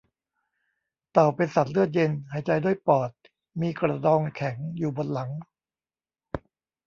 เต่าเป็นสัตว์เลือดเย็น หายใจด้วยปอด มีกระดองแข็งอยู่บนหลัง